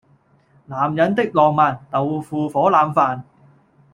男人的浪漫，豆腐火腩飯